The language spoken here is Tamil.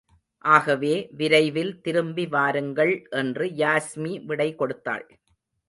ஆகவே, விரைவில் திரும்பி வாருங்கள்! என்று யாஸ்மி விடை கொடுத்தாள்.